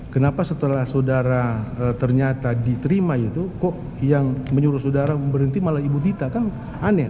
kenapa setelah saudara ternyata diterima itu kok yang menyuruh saudara berhenti malah ibu dita kan aneh